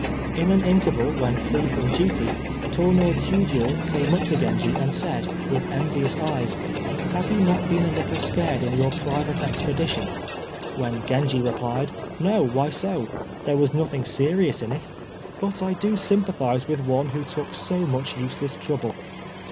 In an interval, when free from duty, Tô no Chiûjiô came up to Genji and said, with envious eyes, "Have you not been a little scared in your private expedition?" when Genji replied, "No, why so? there was nothing serious in it; but I do sympathize with one who took so much useless trouble."